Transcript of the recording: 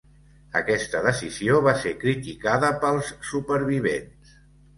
Aquesta decisió va ser criticada pels supervivents.